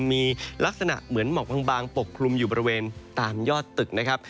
มีลักษณะเหมือนหมอกบางปกคลุมอยู่บริเวณตามยอดตึกนะครับ